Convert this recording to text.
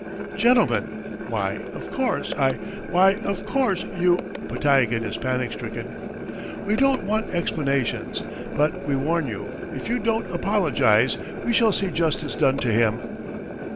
"Gentlemen! Why of course I ... why of course you ..." Podtyagin is panic stricken. "We don't want explanations. But we warn you, if you don't apologize, we shall see justice done to him."